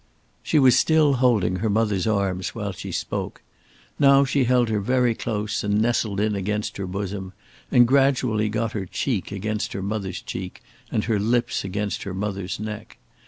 She was still holding her mother's arms while she spoke. Now she held her very close and nestled in against her bosom, and gradually got her cheek against her mother's cheek, and her lips against her mother's neck.